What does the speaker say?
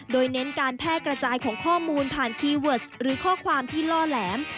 โดยเน้นการแพร่กระจายของข้อมูลผ่านคีย์เวิร์สหรือข้อความที่ล่อแหลม